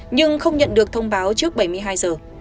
nhưng không nhận được thông báo trước bảy mươi hai giờ